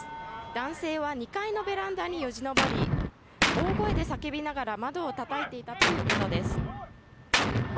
男性は２階のベランダによじ登り大声で叫びながら窓をたたいていたということです。